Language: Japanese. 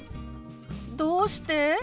どうして？